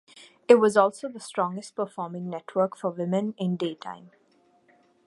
It was also the strongest performing network for women in daytime.